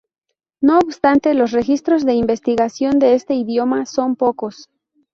No obstante, los registros de investigación de este idioma son pocos.